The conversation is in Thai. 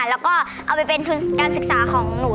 แล้วก็เอาไปเป็นทุนการศึกษาของหนู